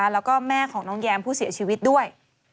แล้วก็แม่ของน้องแยมผู้เสียชีวิตด้วย